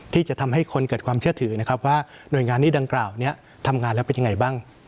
ที่จะทำให้คนเกิดความเชื่อถือนะครับว่าหน่วยงานนี้ดังกล่าวนี้ทำงานแล้วเป็นยังไงบ้าง